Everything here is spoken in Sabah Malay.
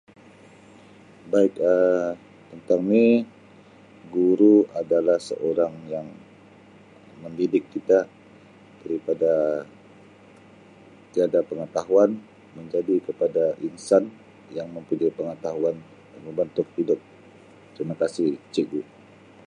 Baik Um tentang ni guru adalah seorang yang mendidik kita daripada tiada pengetahuan menjadi kepada insan yang mempunyai pengetahuan membentuk hidup, terima kasih cikgu.